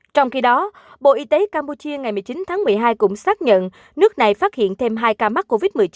trong khi đó bộ y tế campuchia ngày một mươi chín tháng một mươi hai cũng xác nhận nước này phát hiện thêm hai ca mắc covid một mươi chín